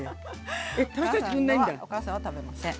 お母さんは食べません。